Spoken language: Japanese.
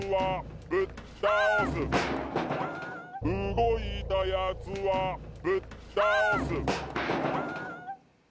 動いた奴はぶっ倒す